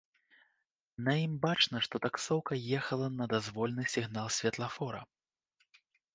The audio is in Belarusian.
На ім бачна, што таксоўка ехала на дазвольны сігнал святлафора.